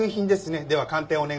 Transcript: では鑑定をお願いします。